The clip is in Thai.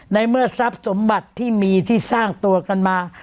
ในเมื่อทรัพย์สมบัติที่มีที่สร้างตัวกันมา